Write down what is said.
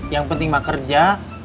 yang penting pak kerja